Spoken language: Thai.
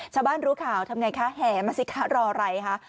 ชาวบ้านรู้ข่าวทำไงคะแห่มาสิคะรอไรค่ะ